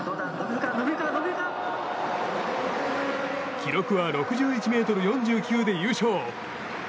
記録は６１ｍ４９で優勝。